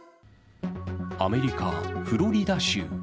アメリカ・フロリダ州。